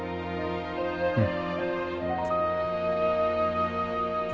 うん。